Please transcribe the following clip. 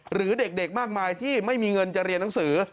หรือเด็กมากมายที่ไม่มีเงินจะเรียนหนังสือ